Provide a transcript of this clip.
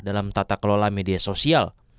dalam tata kelola media sosial